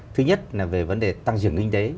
thứ nhất là về vấn đề tăng trưởng kinh tế